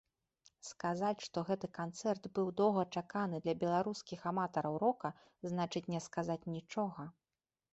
Сказаць, што гэты канцэрт быў доўгачаканы для беларускіх аматараў рока, значыць не сказаць нічога.